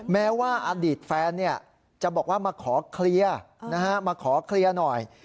แม้ว่าอดีตแฟนจะบอกว่ามาขอเคลียร์มาขอเคลียร์หน่อย